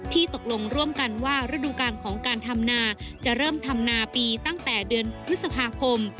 ตกลงร่วมกันว่าฤดูการของการทำนาจะเริ่มทำนาปีตั้งแต่เดือนพฤษภาคม